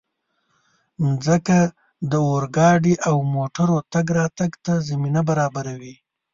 مځکه د اورګاډي او موټرو تګ راتګ ته زمینه برابروي.